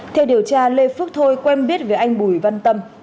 theo điều tra lê phước thôi quen biết với anh bùi văn tâm